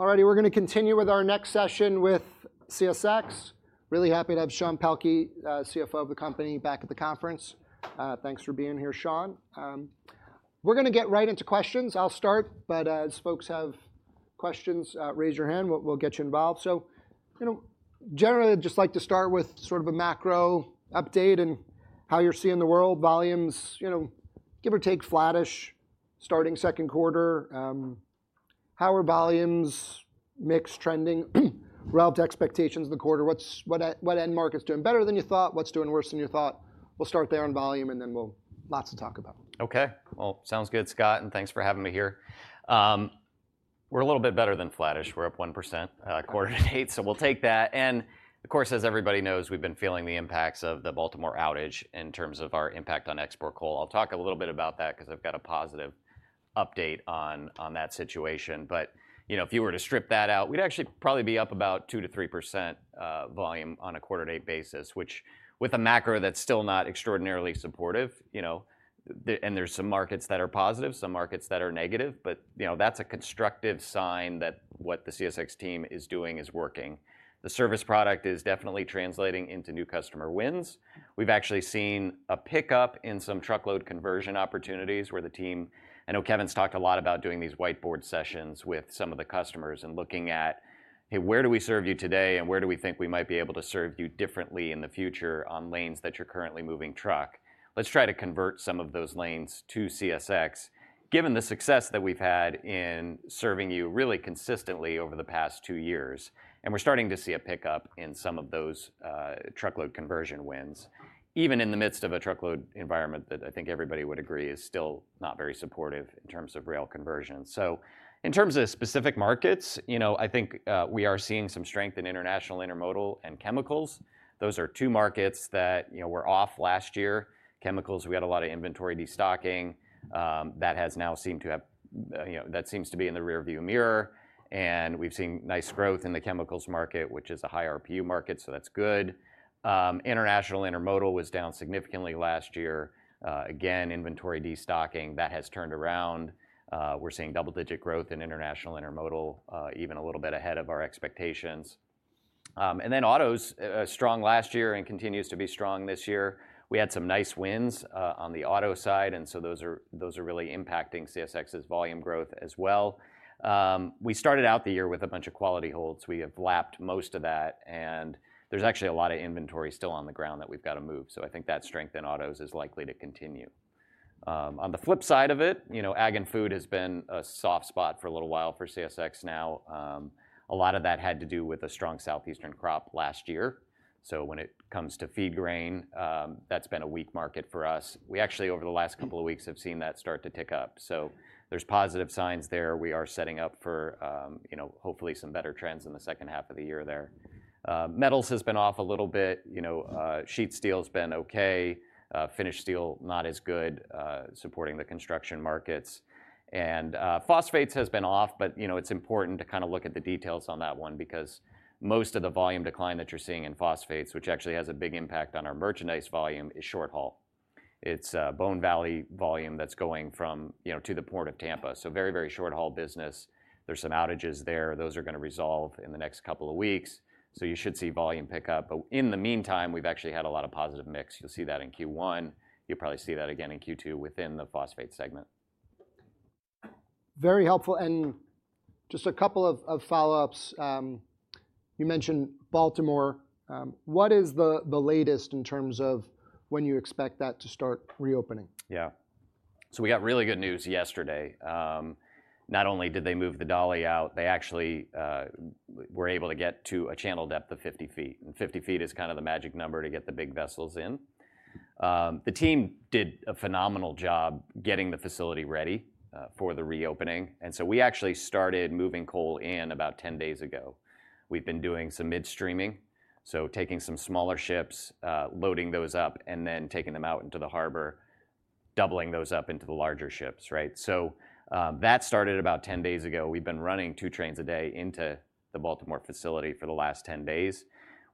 All righty, we're gonna continue with our next session with CSX. Really happy to have Sean Pelkey, CFO of the company, back at the conference. Thanks for being here, Sean. We're gonna get right into questions. I'll start, but as folks have questions, raise your hand. We'll get you involved. So, you know, generally I'd just like to start with sort of a macro update and how you're seeing the world. Volumes, you know, give or take, flattish starting second quarter. How are volumes, mix trending relative to expectations of the quarter? What end markets are doing better than you thought? What's doing worse than you thought? We'll start there on volume, and then we'll... Lots to talk about. Okay. Well, sounds good, Scott, and thanks for having me here. We're a little bit better than flattish. We're up 1%, quarter to date so we'll take that. And of course, as everybody knows, we've been feeling the impacts of the Baltimore outage in terms of our impact on export coal. I'll talk a little bit about that, 'cause I've got a positive update on that situation. But, you know, if you were to strip that out, we'd actually probably be up about 2%-3%, volume on a quarter to date basis, which with a macro that's still not extraordinarily supportive, you know, And there's some markets that are positive, some markets that are negative, but, you know, that's a constructive sign that what the CSX team is doing is working. The service product is definitely translating into new customer wins. We've actually seen a pickup in some truckload conversion opportunities, where the team... I know Kevin's talked a lot about doing these whiteboard sessions with some of the customers and looking at, "Hey, where do we serve you today, and where do we think we might be able to serve you differently in the future on lanes that you're currently moving truck? Let's try to convert some of those lanes to CSX, given the success that we've had in serving you really consistently over the past two years." And we're starting to see a pickup in some of those, truckload conversion wins, even in the midst of a truckload environment that I think everybody would agree is still not very supportive in terms of rail conversion. So in terms of specific markets, you know, I think, we are seeing some strength in international intermodal and chemicals. Those are two markets that, you know, were off last year. Chemicals, we had a lot of inventory destocking. That has now seemed to have, you know, that seems to be in the rear-view mirror, and we've seen nice growth in the chemicals market, which is a high-RPU market, so that's good. International intermodal was down significantly last year. Again, inventory destocking. That has turned around. We're seeing double-digit growth in international intermodal, even a little bit ahead of our expectations. And then autos, strong last year and continues to be strong this year. We had some nice wins, on the auto side, and so those are, those are really impacting CSX's volume growth as well. We started out the year with a bunch of quality holds. We have lapped most of that, and there's actually a lot of inventory still on the ground that we've got to move. So I think that strength in autos is likely to continue. On the flip side of it, you know, ag and food has been a soft spot for a little while for CSX now. A lot of that had to do with the strong southeastern crop last year. So when it comes to feed grain, that's been a weak market for us. We actually, over the last couple of weeks, have seen that start to tick up. So there's positive signs there. We are setting up for, you know, hopefully some better trends in the second half of the year there. Metals has been off a little bit. You know, sheet steel's been okay. Finished steel, not as good, supporting the construction markets. And, phosphates has been off, but, you know, it's important to kind of look at the details on that one, because most of the volume decline that you're seeing in phosphates, which actually has a big impact on our merchandise volume, is short haul. It's Bone Valley volume that's going from, you know, to the Port of Tampa, so very, very short-haul business. There's some outages there. Those are gonna resolve in the next couple of weeks, so you should see volume pick up. But in the meantime, we've actually had a lot of positive mix. You'll see that in Q1. You'll probably see that again in Q2 within the phosphate segment. Very helpful, and just a couple of follow-ups. You mentioned Baltimore. What is the latest in terms of when you expect that to start reopening? Yeah. So we got really good news yesterday. Not only did they move the Dali out, they actually were able to get to a channel depth of 50 feet, and 50 feet is kind of the magic number to get the big vessels in. The team did a phenomenal job getting the facility ready for the reopening, and so we actually started moving coal in about 10 days ago. We've been doing some midstreaming, so taking some smaller ships, loading those up, and then taking them out into the harbor, doubling those up into the larger ships, right? So, that started about 10 days ago. We've been running 2 trains a day into the Baltimore facility for the last 10 days.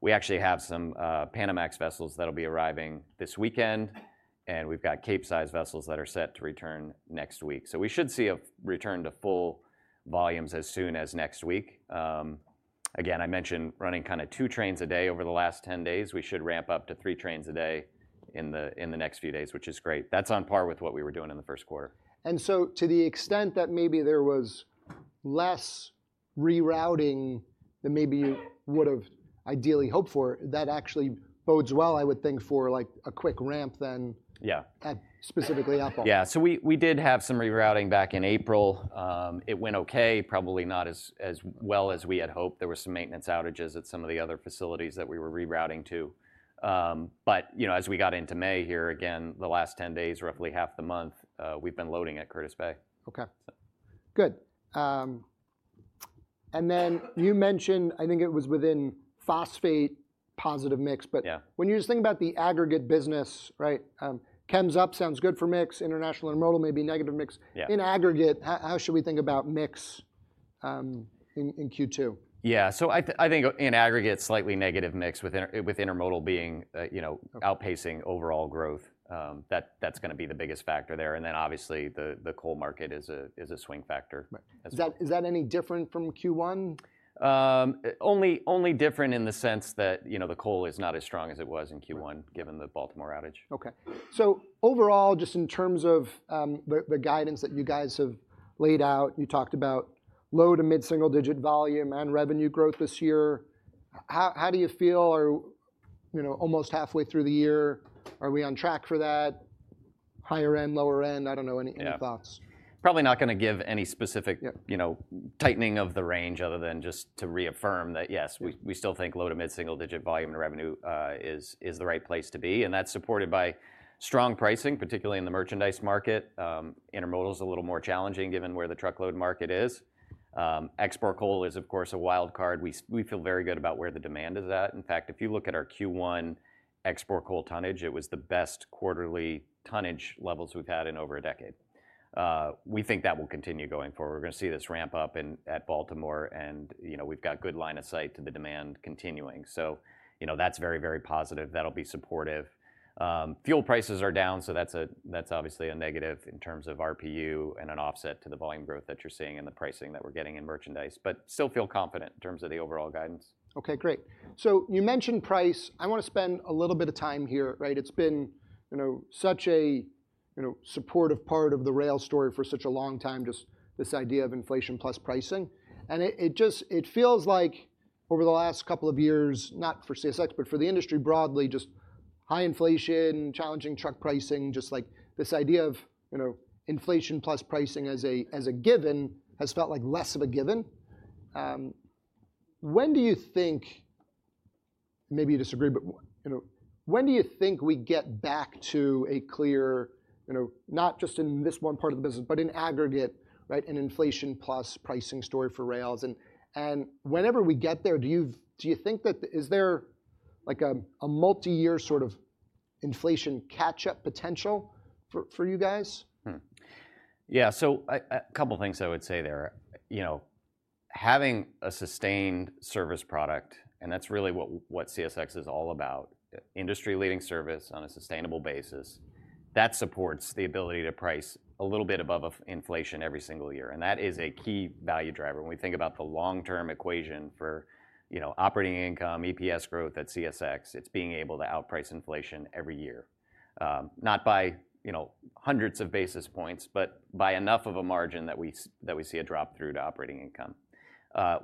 We actually have some Panamax vessels that'll be arriving this weekend, and we've got Capesize vessels that are set to return next week. So we should see a return to full volumes as soon as next week. Again, I mentioned running kind of 2 trains a day over the last 10 days. We should ramp up to 3 trains a day in the next few days, which is great. That's on par with what we were doing in the first quarter. And so to the extent that maybe there was less rerouting than maybe you would've ideally hoped for, that actually bodes well, I would think, for, like, a quick ramp, then- Yeah... specifically outbound. Yeah. So we did have some rerouting back in April. It went okay. Probably not as well as we had hoped. There were some maintenance outages at some of the other facilities that we were rerouting to. But you know, as we got into May here, again, the last 10 days, roughly half the month, we've been loading at Curtis Bay. Okay. So. Good. And then you mentioned, I think it was within phosphate, positive mix, but- Yeah... when you're just thinking about the aggregate business, right, chems up sounds good for mix. International intermodal may be negative mix. Yeah. In aggregate, how should we think about mix?... in Q2? Yeah, so I think in aggregate, slightly negative mix with intermodal being, you know- Okay... outpacing overall growth. That, that's gonna be the biggest factor there, and then obviously, the coal market is a swing factor. Right. As well. Is that any different from Q1? Only, only different in the sense that, you know, the coal is not as strong as it was in Q1- Right... given the Baltimore outage. Okay. So overall, just in terms of the guidance that you guys have laid out, you talked about low- to mid-single-digit volume and revenue growth this year. How do you feel? Are, you know, almost halfway through the year, are we on track for that? Higher end, lower end? I don't know, any- Yeah... Any thoughts? Probably not gonna give any specific- Yep... you know, tightening of the range, other than just to reaffirm that, yes, we- Yep... we still think low to mid-single digit volume to revenue is the right place to be, and that's supported by strong pricing, particularly in the merchandise market. Intermodal's a little more challenging, given where the truckload market is. Export coal is, of course, a wild card. We feel very good about where the demand is at. In fact, if you look at our Q1 export coal tonnage, it was the best quarterly tonnage levels we've had in over a decade. We think that will continue going forward. We're gonna see this ramp up in at Baltimore and, you know, we've got good line of sight to the demand continuing. So, you know, that's very, very positive. That'll be supportive. Fuel prices are down, so that's a, that's obviously a negative in terms of RPU and an offset to the volume growth that you're seeing and the pricing that we're getting in merchandise. But still feel confident in terms of the overall guidance. Okay, great. So you mentioned price. I wanna spend a little bit of time here, right? It's been, you know, such a, you know, supportive part of the rail story for such a long time, just this idea of inflation plus pricing. And it, it just... It feels like over the last couple of years, not for CSX, but for the industry broadly, just high inflation, challenging truck pricing, just like this idea of, you know, inflation plus pricing as a, as a given, has felt like less of a given. When do you think, maybe you disagree, but, you know, when do you think we get back to a clear, you know, not just in this one part of the business, but in aggregate, right, an inflation plus pricing story for rails? And, and whenever we get there, do you, do you think that the... Is there, like, a multi-year sort of inflation catch-up potential for you guys? Hmm. Yeah, so a couple things I would say there. You know, having a sustained service product, and that's really what CSX is all about, industry-leading service on a sustainable basis, that supports the ability to price a little bit above of inflation every single year, and that is a key value driver. When we think about the long-term equation for, you know, operating income, EPS growth at CSX, it's being able to outprice inflation every year. Not by, you know, hundreds of basis points, but by enough of a margin that we see a drop through to operating income.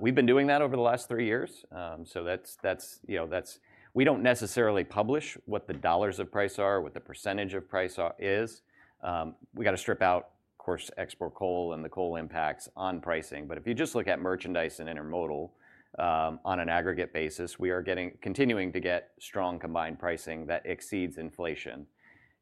We've been doing that over the last three years. So that's, that's, you know, that's... We don't necessarily publish what the dollars of price are, what the percentage of price are, is. We got to strip out, of course, export coal and the coal impacts on pricing. But if you just look at merchandise and intermodal, on an aggregate basis, we are getting, continuing to get strong combined pricing that exceeds inflation.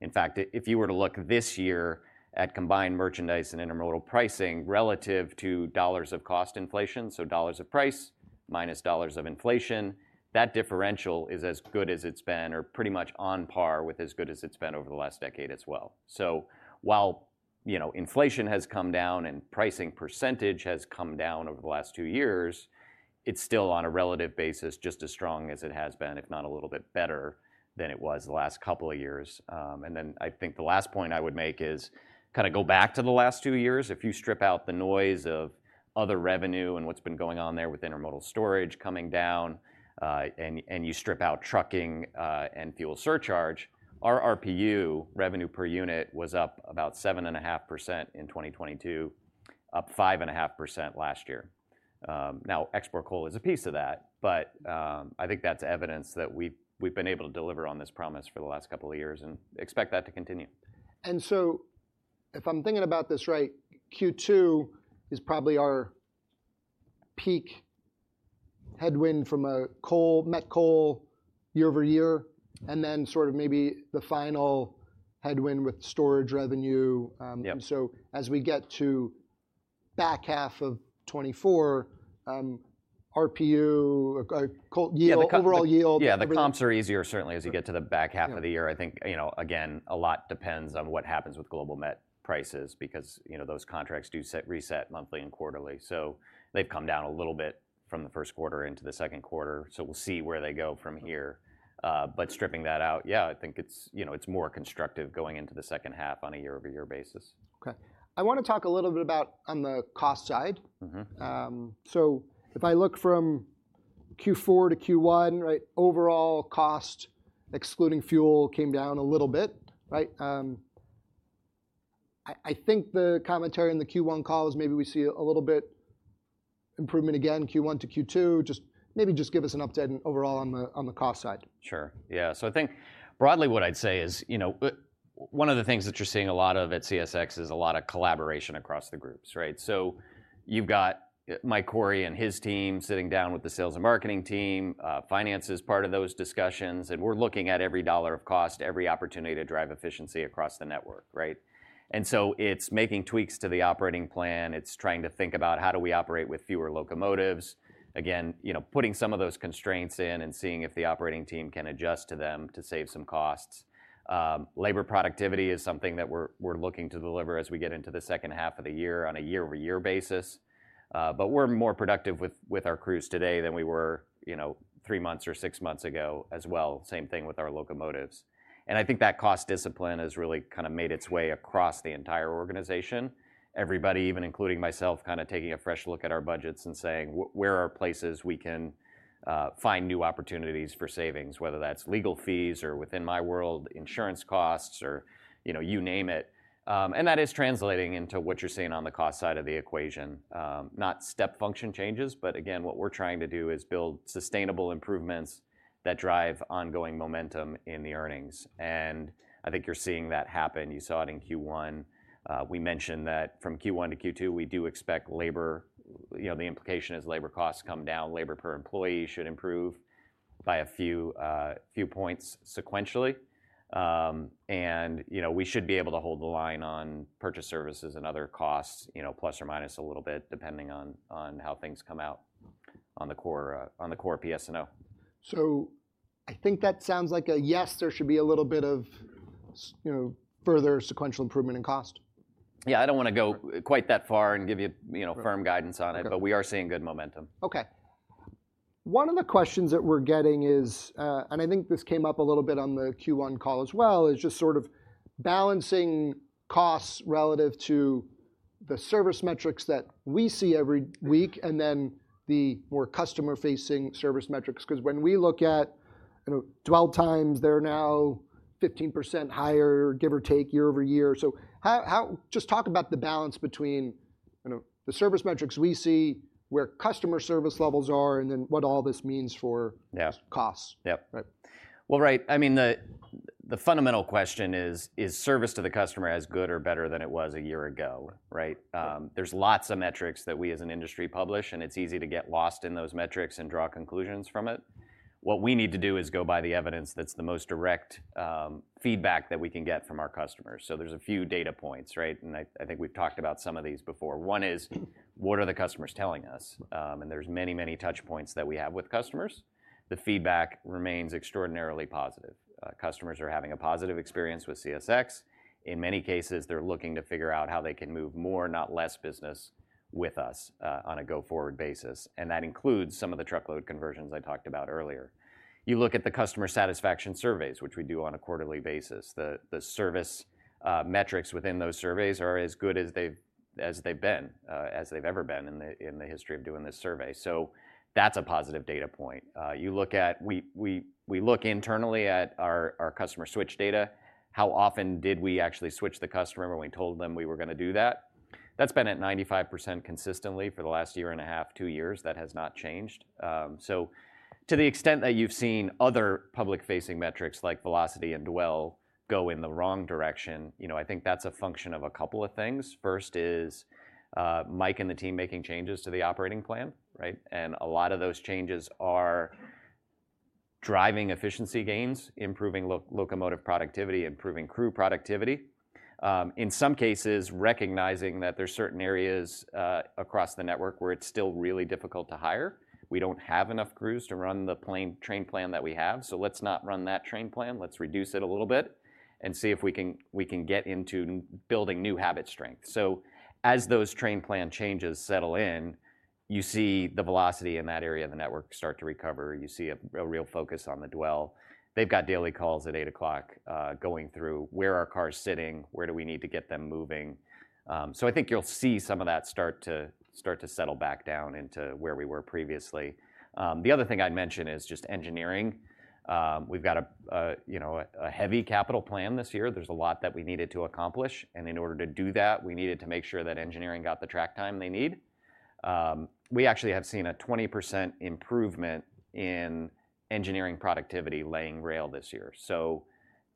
In fact, if you were to look this year at combined merchandise and intermodal pricing relative to dollars of cost inflation, so dollars of price minus dollars of inflation, that differential is as good as it's been or pretty much on par with as good as it's been over the last decade as well. So while, you know, inflation has come down and pricing percentage has come down over the last two years, it's still on a relative basis just as strong as it has been, if not a little bit better than it was the last couple of years. And then I think the last point I would make is kind of go back to the last two years. If you strip out the noise of other revenue and what's been going on there with intermodal storage coming down, and you strip out trucking, and fuel surcharge, our RPU, revenue per unit, was up about 7.5% in 2022, up 5.5% last year. Now, export coal is a piece of that, but, I think that's evidence that we've, we've been able to deliver on this promise for the last couple of years and expect that to continue. And so, if I'm thinking about this right, Q2 is probably our peak headwind from a coal, met coal year-over-year, and then sort of maybe the final headwind with storage revenue. Yep... so as we get to back half of 2024, RPU or coal yield- Yeah, the co- Overall yield- Yeah, the comps are easier, certainly, as you get to the back half of the year. Yeah. I think, you know, again, a lot depends on what happens with global met prices, because, you know, those contracts do set, reset monthly and quarterly. So they've come down a little bit from the first quarter into the second quarter, so we'll see where they go from here. But stripping that out, yeah, I think it's, you know, it's more constructive going into the second half on a year-over-year basis. Okay. I want to talk a little bit about on the cost side. Mm-hmm. So if I look from Q4 to Q1, right, overall cost, excluding fuel, came down a little bit, right? I think the commentary in the Q1 call is maybe we see a little bit improvement again, Q1 to Q2. Just maybe give us an update overall on the cost side. Sure, yeah. So I think broadly what I'd say is, you know, One of the things that you're seeing a lot of at CSX is a lot of collaboration across the groups, right? So you've got Mike Cory and his team sitting down with the sales and marketing team, finance is part of those discussions, and we're looking at every dollar of cost, every opportunity to drive efficiency across the network, right? And so it's making tweaks to the operating plan, it's trying to think about, how do we operate with fewer locomotives? Again, you know, putting some of those constraints in and seeing if the operating team can adjust to them to save some costs. Labor productivity is something that we're looking to deliver as we get into the second half of the year on a year-over-year basis. But we're more productive with our crews today than we were, you know, three months or six months ago as well. Same thing with our locomotives. And I think that cost discipline has really kind of made its way across the entire organization. Everybody, even including myself, kind of taking a fresh look at our budgets and saying, "Where are places we can find new opportunities for savings?" Whether that's legal fees, or within my world, insurance costs, or, you know, you name it. And that is translating into what you're seeing on the cost side of the equation. Not step function changes, but again, what we're trying to do is build sustainable improvements that drive ongoing momentum in the earnings, and I think you're seeing that happen. You saw it in Q1. We mentioned that from Q1 to Q2, we do expect labor. You know, the implication is labor costs come down, labor per employee should improve by a few, few points sequentially. And, you know, we should be able to hold the line on purchased services and other costs, you know, plus or minus a little bit, depending on how things come out on the core, on the core PS&O. I think that sounds like a yes. There should be a little bit of, you know, further sequential improvement in cost. Yeah, I don't want to go quite that far and give you, you know, firm guidance on it- Okay. But we are seeing good momentum. Okay. One of the questions that we're getting is, and I think this came up a little bit on the Q1 call as well, is just sort of balancing costs relative to the service metrics that we see every week, and then the more customer-facing service metrics. 'Cause when we look at, you know, dwell times, they're now 15% higher, give or take, year-over-year. So how... Just talk about the balance between, you know, the service metrics we see, where customer service levels are, and then what all this means for- Yeah... costs. Yep. Right. Well, right, I mean, the fundamental question is service to the customer as good or better than it was a year ago, right? Yeah. There's lots of metrics that we as an industry publish, and it's easy to get lost in those metrics and draw conclusions from it. What we need to do is go by the evidence that's the most direct, feedback that we can get from our customers. So there's a few data points, right? And I, I think we've talked about some of these before. One is, what are the customers telling us? And there's many, many touch points that we have with customers. The feedback remains extraordinarily positive. Customers are having a positive experience with CSX. In many cases, they're looking to figure out how they can move more, not less business with us, on a go-forward basis, and that includes some of the truckload conversions I talked about earlier. You look at the customer satisfaction surveys, which we do on a quarterly basis. The service metrics within those surveys are as good as they've been as they've ever been in the history of doing this survey. So that's a positive data point. You look at... We look internally at our customer switch data. How often did we actually switch the customer when we told them we were going to do that? That's been at 95% consistently for the last year and a half, two years. That has not changed. So to the extent that you've seen other public-facing metrics like velocity and dwell go in the wrong direction, you know, I think that's a function of a couple of things. First is, Mike and the team making changes to the operating plan, right? A lot of those changes are driving efficiency gains, improving locomotive productivity, improving crew productivity. In some cases, recognizing that there are certain areas across the network where it's still really difficult to hire. We don't have enough crews to run the train plan that we have, so let's not run that train plan. Let's reduce it a little bit and see if we can get into building new habit strength. So as those train plan changes settle in, you see the velocity in that area of the network start to recover. You see a real focus on the dwell. They've got daily calls at 8:00 A.M. going through, where are cars sitting? Where do we need to get them moving? So I think you'll see some of that start to settle back down into where we were previously. The other thing I'd mention is just engineering. We've got, you know, a heavy capital plan this year. There's a lot that we needed to accomplish, and in order to do that, we needed to make sure that engineering got the track time they need. We actually have seen a 20% improvement in engineering productivity laying rail this year. So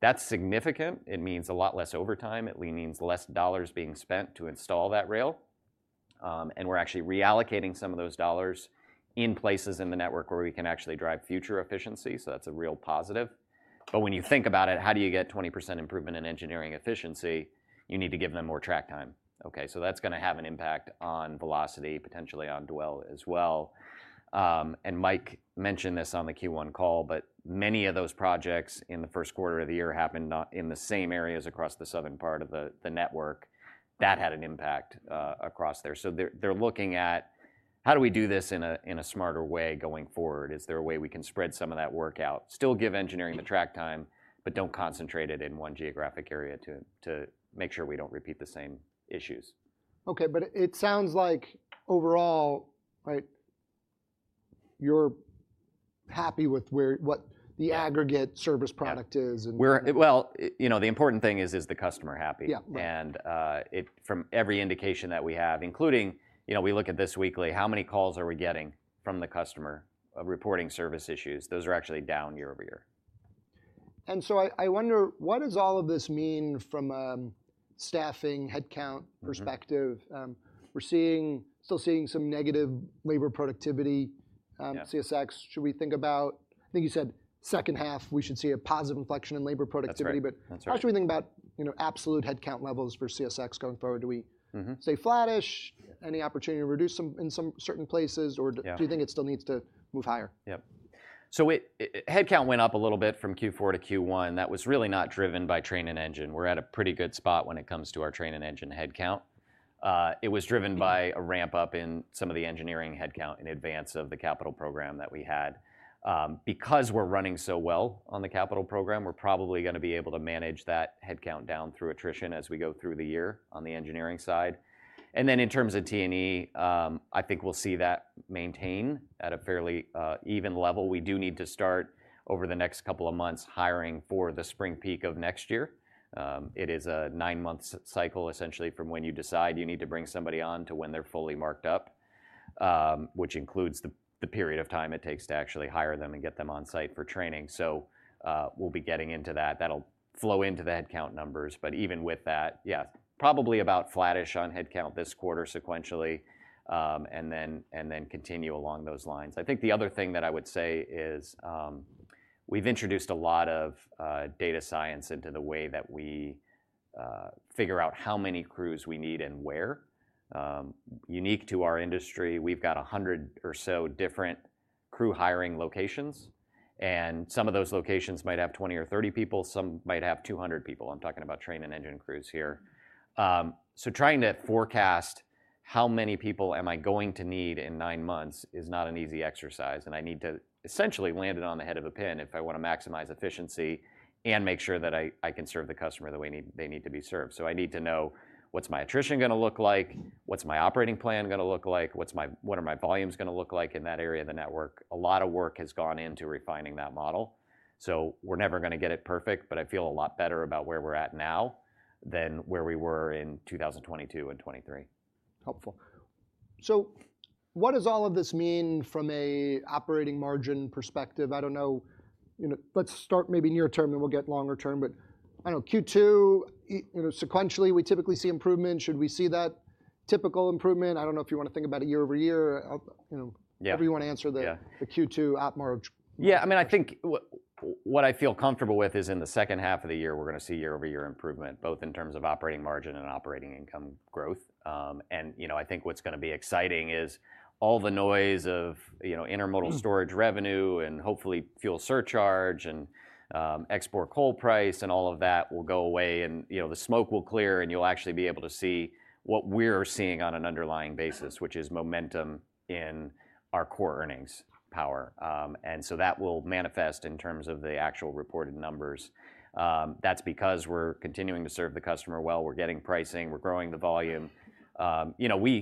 that's significant. It means a lot less overtime. It means less dollars being spent to install that rail. And we're actually reallocating some of those dollars in places in the network where we can actually drive future efficiency, so that's a real positive. But when you think about it, how do you get 20% improvement in engineering efficiency? You need to give them more track time. Okay, so that's going to have an impact on velocity, potentially on dwell as well. And Mike mentioned this on the Q1 call, but many of those projects in the first quarter of the year happened in the same areas across the southern part of the network. That had an impact across there. So they're looking at, how do we do this in a smarter way going forward? Is there a way we can spread some of that work out, still give engineering the track time, but don't concentrate it in one geographic area to make sure we don't repeat the same issues. Okay, but it sounds like overall, right, you're happy with where, what- Yeah... the aggregate service product is and- We're... Well, you know, the important thing is, is the customer happy? Yeah, right. From every indication that we have, including, you know, we look at this weekly, how many calls are we getting from the customer, reporting service issues? Those are actually down year-over-year.... And so I, I wonder what does all of this mean from, staffing, headcount perspective? Mm-hmm. We're seeing, still seeing some negative labor productivity. Yeah... CSX. Should we think about, I think you said second half, we should see a positive inflection in labor productivity? That's right. That's right. But how should we think about, you know, absolute headcount levels for CSX going forward? Do we- Mm-hmm... say flattish? Any opportunity to reduce some, in some certain places, or- Yeah... do you think it still needs to move higher? Yeah. So it headcount went up a little bit from Q4 to Q1. That was really not driven by train and engine. We're at a pretty good spot when it comes to our train and engine headcount. It was driven by a ramp-up in some of the engineering headcount in advance of the capital program that we had. Because we're running so well on the capital program, we're probably gonna be able to manage that headcount down through attrition as we go through the year on the engineering side. And then in terms of T&E, I think we'll see that maintain at a fairly even level. We do need to start, over the next couple of months, hiring for the spring peak of next year. It is a 9-month cycle, essentially, from when you decide you need to bring somebody on to when they're fully marked up. Which includes the, the period of time it takes to actually hire them and get them on site for training. So, we'll be getting into that. That'll flow into the headcount numbers, but even with that, yeah, probably about flattish on headcount this quarter sequentially, and then, and then continue along those lines. I think the other thing that I would say is, we've introduced a lot of data science into the way that we figure out how many crews we need and where. Unique to our industry, we've got 100 or so different crew hiring locations, and some of those locations might have 20 or 30 people, some might have 200 people. I'm talking about train and engine crews here. So trying to forecast how many people am I going to need in nine months is not an easy exercise, and I need to essentially land it on the head of a pin if I want to maximize efficiency and make sure that I, I can serve the customer the way they need to be served. So I need to know, what's my attrition gonna look like? What's my operating plan gonna look like? What's my... What are my volumes gonna look like in that area of the network? A lot of work has gone into refining that model. So we're never gonna get it perfect, but I feel a lot better about where we're at now than where we were in 2022 and 2023. Helpful. So what does all of this mean from a operating margin perspective? I don't know, you know, let's start maybe near term, and we'll get longer term. But I know Q2, you know, sequentially, we typically see improvement. Should we see that typical improvement? I don't know if you want to think about it year over year. You know- Yeah... however you want to answer the- Yeah... the Q2 op margin. Yeah, I mean, I think what I feel comfortable with is in the second half of the year, we're gonna see year-over-year improvement, both in terms of operating margin and operating income growth. You know, I think what's gonna be exciting is all the noise of, you know, intermodal storage revenue and hopefully fuel surcharge and export coal price and all of that will go away, and, you know, the smoke will clear, and you'll actually be able to see what we're seeing on an underlying basis, which is momentum in our core earnings power. And so that will manifest in terms of the actual reported numbers. That's because we're continuing to serve the customer well. We're getting pricing. We're growing the volume. You know,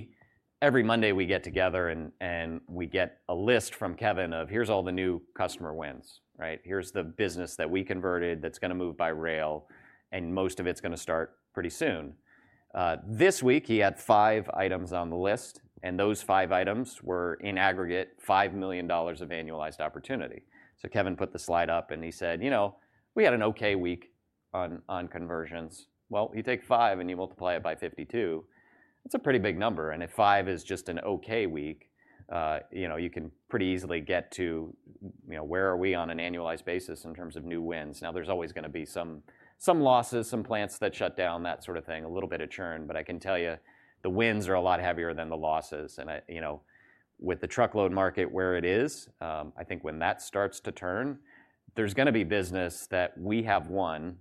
every Monday, we get together, and we get a list from Kevin of, "Here's all the new customer wins," right? "Here's the business that we converted that's gonna move by rail, and most of it's gonna start pretty soon." This week, he had 5 items on the list, and those 5 items were, in aggregate, $5 million of annualized opportunity. So Kevin put the slide up, and he said, "You know, we had an okay week on conversions." Well, you take 5, and you multiply it by 52, it's a pretty big number, and if 5 is just an okay week, you know, you can pretty easily get to, you know, where are we on an annualized basis in terms of new wins? Now, there's always gonna be some, some losses, some plants that shut down, that sort of thing, a little bit of churn. But I can tell you, the wins are a lot heavier than the losses, and I, you know... With the truckload market where it is, I think when that starts to turn, there's gonna be business that we have won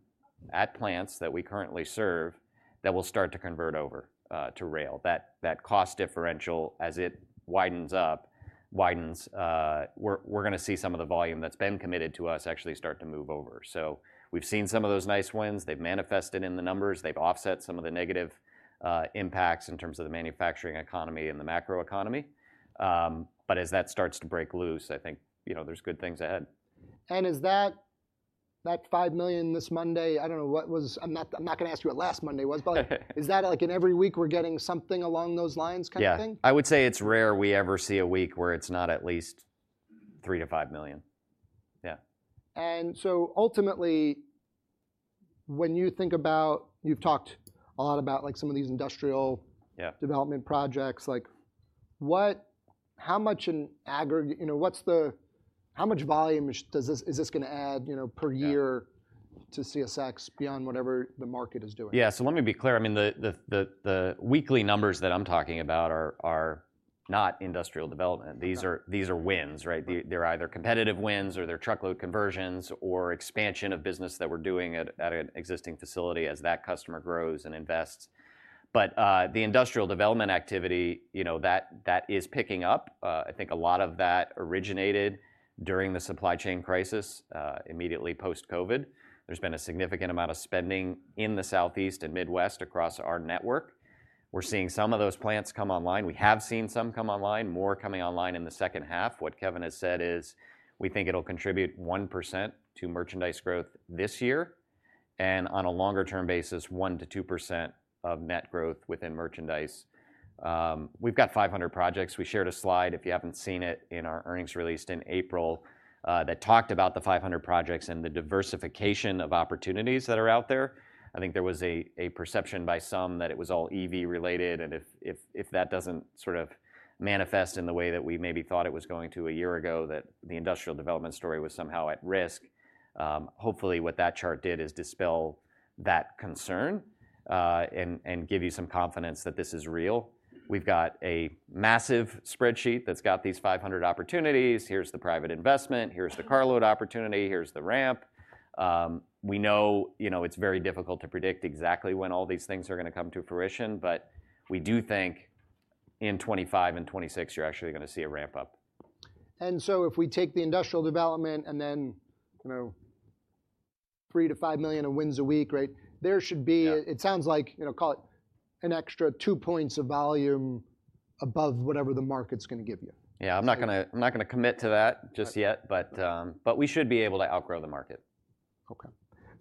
at plants that we currently serve that will start to convert over to rail. That, that cost differential, as it widens up, widens, we're, we're gonna see some of the volume that's been committed to us actually start to move over. So we've seen some of those nice wins. They've manifested in the numbers. They've offset some of the negative impacts in terms of the manufacturing economy and the macroeconomy. But as that starts to break loose, I think, you know, there's good things ahead. Is that, that $5 million this Monday, I don't know what was... I'm not, I'm not gonna ask you what last Monday was, but-... is that like in every week, we're getting something along those lines kind of thing? Yeah. I would say it's rare we ever see a week where it's not at least $3 million-$5 million. Yeah. And so ultimately, when you think about, you've talked a lot about, like, some of these industrial- Yeah... development projects. Like, what, how much in aggregate, you know, what's the, how much volume does this, is this gonna add, you know, per year- Yeah... to CSX beyond whatever the market is doing? Yeah, so let me be clear. I mean, the weekly numbers that I'm talking about are not industrial development. Okay. These are, these are wins, right? Mm-hmm. They're either competitive wins or they're truckload conversions or expansion of business that we're doing at an existing facility as that customer grows and invests. But the industrial development activity, you know, that is picking up. I think a lot of that originated during the supply chain crisis immediately post-COVID. There's been a significant amount of spending in the Southeast and Midwest across our network. We're seeing some of those plants come online. We have seen some come online, more coming online in the second half. What Kevin has said is, we think it'll contribute 1% to merchandise growth this year and on a longer term basis, 1%-2% of net growth within merchandise. We've got 500 projects. We shared a slide, if you haven't seen it, in our earnings released in April that talked about the 500 projects and the diversification of opportunities that are out there. I think there was a perception by some that it was all EV related, and if that doesn't sort of manifest in the way that we maybe thought it was going to a year ago, that the industrial development story was somehow at risk. Hopefully, what that chart did is dispel that concern, and give you some confidence that this is real. We've got a massive spreadsheet that's got these 500 opportunities. Here's the private investment, here's the carload opportunity, here's the ramp. We know, you know, it's very difficult to predict exactly when all these things are gonna come to fruition, but we do think in 2025 and 2026, you're actually gonna see a ramp up. And so if we take the industrial development and then, you know, $3 million-$5 million in wins a week, right? There should be- Yeah... it sounds like, you know, call it an extra 2 points of volume above whatever the market's gonna give you. Yeah. I'm not gonna- So- I'm not gonna commit to that just yet. Okay... but we should be able to outgrow the market. Okay.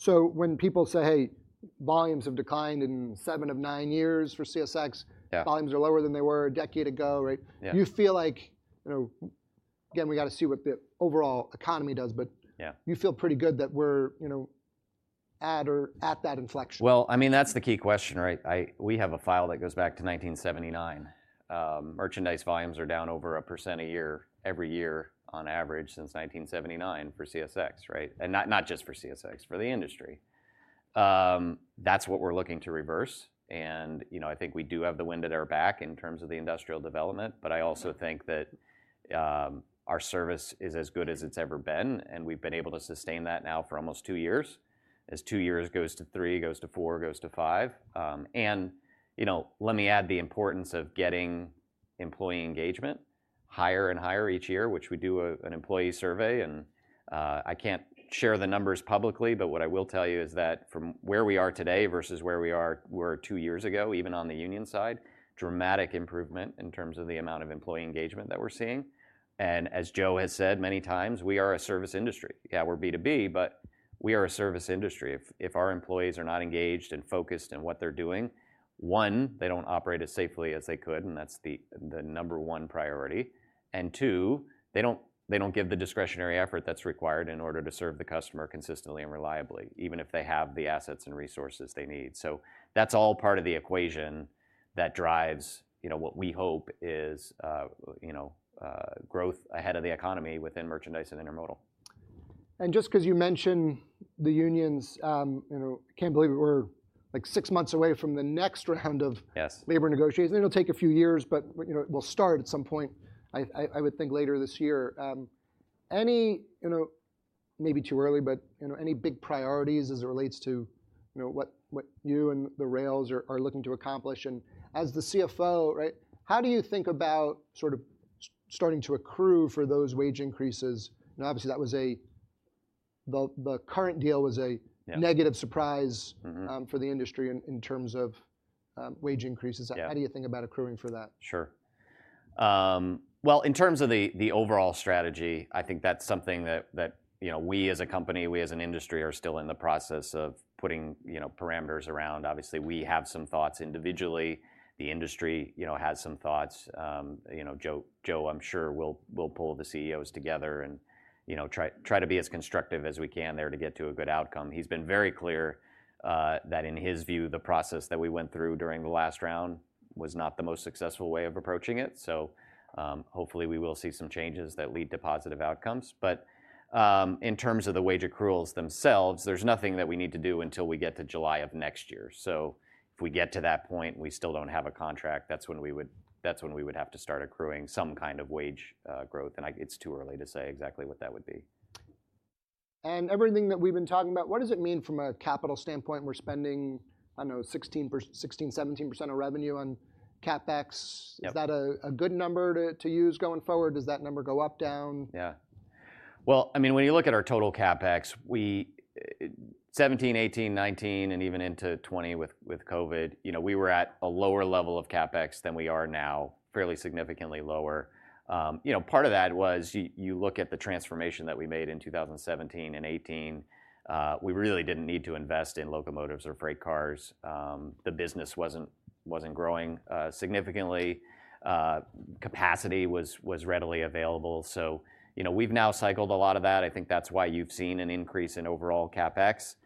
So when people say, "Hey, volumes have declined in seven of nine years for CSX- Yeah... volumes are lower than they were a decade ago," right? Yeah. Do you feel like, you know, again, we gotta see what the overall economy does, but- Yeah... you feel pretty good that we're, you know, at or at that inflection? Well, I mean, that's the key question, right? We have a file that goes back to 1979. Merchandise volumes are down over 1% a year, every year on average since 1979 for CSX, right? And not just for CSX, for the industry. That's what we're looking to reverse, and, you know, I think we do have the wind at our back in terms of the industrial development. But I also think that our service is as good as it's ever been, and we've been able to sustain that now for almost 2 years. As 2 years goes to 3 years, goes to 4 years, goes to 5 years. And, you know, let me add the importance of getting employee engagement higher and higher each year, which we do an employee survey, and I can't share the numbers publicly, but what I will tell you is that from where we are today versus where we were two years ago, even on the union side, dramatic improvement in terms of the amount of employee engagement that we're seeing. And as Joe has said many times, we are a service industry. Yeah, we're B2B, but we are a service industry. If our employees are not engaged and focused in what they're doing, one, they don't operate as safely as they could, and that's the number one priority, and two, they don't give the discretionary effort that's required in order to serve the customer consistently and reliably, even if they have the assets and resources they need. So that's all part of the equation that drives, you know, what we hope is, you know, growth ahead of the economy within merchandise and intermodal. Just 'cause you mentioned the unions, you know, I can't believe we're, like, six months away from the next round of - Yes... labor negotiations. It'll take a few years, but, you know, it will start at some point, I would think later this year. Any, you know, maybe too early, but, you know, any big priorities as it relates to, you know, what you and the rails are looking to accomplish? And as the CFO, right, how do you think about sort of starting to accrue for those wage increases? And obviously, that was a-- the current deal was a- Yeah... negative surprise- Mm-hmm... for the industry in terms of wage increases. Yeah. How do you think about accruing for that? Sure. Well, in terms of the overall strategy, I think that's something that you know, we as a company, we as an industry, are still in the process of putting you know, parameters around. Obviously, we have some thoughts individually. The industry, you know, has some thoughts. You know, Joe, I'm sure will pull the CEOs together and you know, try to be as constructive as we can there to get to a good outcome. He's been very clear that in his view, the process that we went through during the last round was not the most successful way of approaching it. So, hopefully, we will see some changes that lead to positive outcomes. But in terms of the wage accruals themselves, there's nothing that we need to do until we get to July of next year. So if we get to that point and we still don't have a contract, that's when we would, that's when we would have to start accruing some kind of wage growth, and it's too early to say exactly what that would be. And everything that we've been talking about, what does it mean from a capital standpoint? We're spending, I know, 16%-17% of revenue on CapEx. Yep. Is that a good number to use going forward? Does that number go up, down? Yeah. Well, I mean, when you look at our total CapEx, we, 2017, 2018, 2019, and even into 2020 with COVID, you know, we were at a lower level of CapEx than we are now, fairly significantly lower. You know, part of that was you look at the transformation that we made in 2017 and 2018. We really didn't need to invest in locomotives or freight cars. The business wasn't growing significantly. Capacity was readily available. So, you know, we've now cycled a lot of that. I think that's why you've seen an increase in overall CapEx.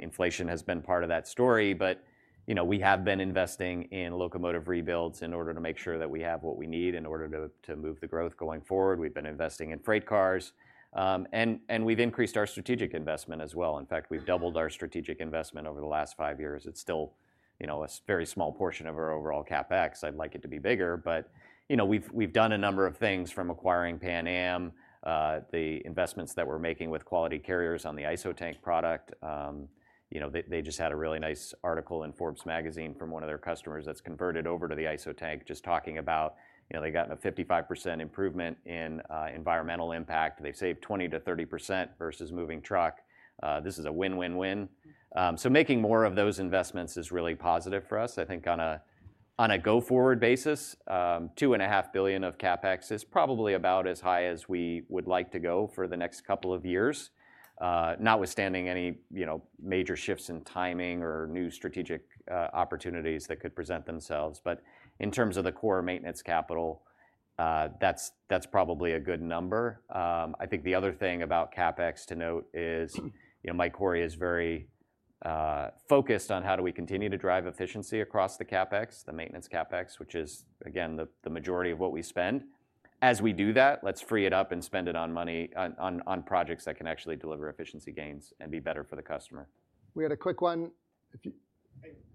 Inflation has been part of that story, but, you know, we have been investing in locomotive rebuilds in order to make sure that we have what we need in order to move the growth going forward. We've been investing in freight cars, and we've increased our strategic investment as well. In fact, we've doubled our strategic investment over the last five years. It's still, you know, a very small portion of our overall CapEx. I'd like it to be bigger, but, you know, we've done a number of things, from acquiring Pan Am, the investments that we're making with Quality Carriers on the ISO tank product. You know, they just had a really nice article in Forbes magazine from one of their customers that's converted over to the ISO tank, just talking about, you know, they've gotten a 55% improvement in environmental impact. They've saved 20%-30% versus moving truck. This is a win-win-win. So making more of those investments is really positive for us, I think, on a go forward basis, two and a half billion of CapEx is probably about as high as we would like to go for the next couple of years. Notwithstanding any, you know, major shifts in timing or new strategic opportunities that could present themselves. But in terms of the core maintenance capital, that's, that's probably a good number. I think the other thing about CapEx to note is, you know, Mike Cory is very focused on how do we continue to drive efficiency across the CapEx, the maintenance CapEx, which is, again, the majority of what we spend. As we do that, let's free it up and spend it on money on projects that can actually deliver efficiency gains and be better for the customer. We had a quick one. If you- Hey, good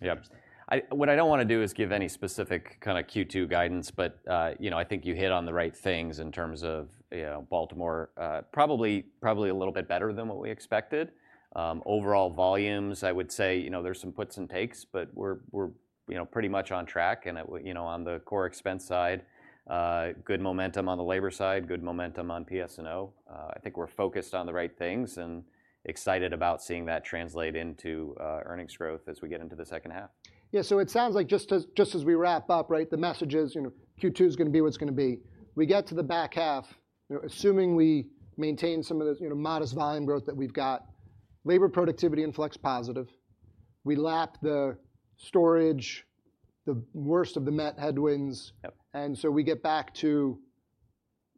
Yeah. What I don't wanna do is give any specific kind of Q2 guidance, but, you know, I think you hit on the right things in terms of, you know, Baltimore. Probably, probably a little bit better than what we expected. Overall volumes, I would say, you know, there's some puts and takes, but we're, we're, you know, pretty much on track, and it you know, on the core expense side, good momentum on the labor side, good momentum on PS&O. I think we're focused on the right things and excited about seeing that translate into, earnings growth as we get into the second half. Yeah, so it sounds like just as, just as we wrap up, right, the message is, you know, Q2 is gonna be what's gonna be. We get to the back half, you know, assuming we maintain some of the, you know, modest volume growth that we've got, labor productivity and flex positive. We lap the storage, the worst of the net headwinds- Yep... And so we get back to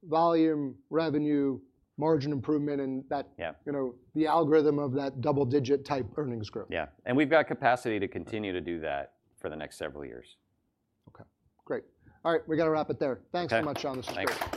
volume, revenue, margin improvement, and that- Yeah You know, the algorithm of that double-digit type earnings growth. Yeah. And we've got capacity to continue to do that for the next several years. Okay, great. All right, we got to wrap it there. Okay. Thanks so much, Sean. This was great.